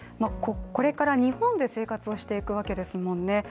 これから日本で生活をしていくわけですもんね